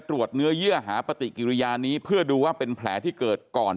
ตรวจเนื้อเยื่อหาปฏิกิริยานี้เพื่อดูว่าเป็นแผลที่เกิดก่อน